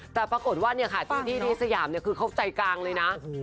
แต่ปรากฏว่าที่ที่สยามคือเขาใจกลางเลยนะ